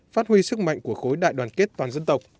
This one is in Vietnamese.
phát huy sức mạnh của khối đại đoàn kết toàn dân tộc